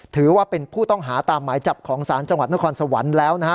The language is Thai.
ถือว่าเป็นผู้ต้องหาตามหมายจับของศาลจังหวัดนครสวรรค์แล้วนะฮะ